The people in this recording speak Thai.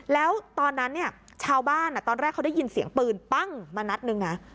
แล้วตอนนั้นเนี่ยชาวบ้านตอนแรกเขาได้ยินเสียงปืนปั้งมานัดหนึ่งนะ